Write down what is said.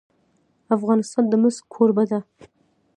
افغانستان د مس کوربه دی.